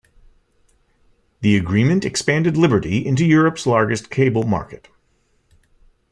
The agreement expanded Liberty into Europe's largest cable market.